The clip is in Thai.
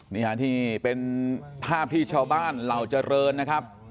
นี่ฮะที่เป็นภาพที่ชาวบ้านเหล่าเจริญนะครับ